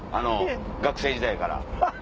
学生時代から。